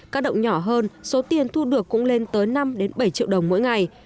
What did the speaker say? các động nhỏ hơn số tiền thu được cũng lên tới năm bảy triệu đồng mỗi ngày